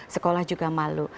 sekolah juga malu